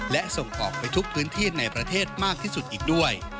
และส่งออกไปทุกพื้นที่ในประเทศมากที่สุดอีกด้วย